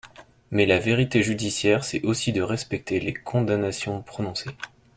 Mais la vérité judiciaire, c’est aussi de respecter les condamnations prononcées.